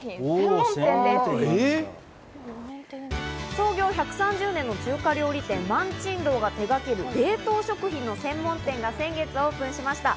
創業１３０年の中華料理店・萬珍樓が手がける冷凍食品の専門店が先月オープンしました。